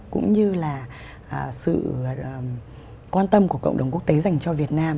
cũng như là sự quan tâm của cộng đồng quốc tế dành cho việt nam